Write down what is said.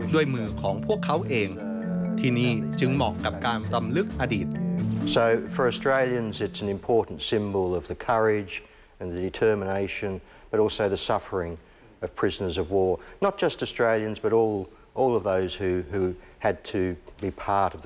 ด้วยมือของพวกเขาเองที่นี่จึงเหมาะกับการรำลึกอดีต